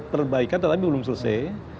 perbaikan tetapi belum selesai